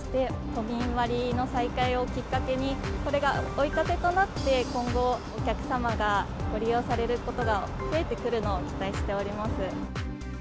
都民割の再開をきっかけに、これが追い風となって、今後、お客様がご利用されることが増えてくるのを期待しております。